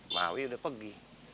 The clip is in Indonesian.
mau ya udah pergi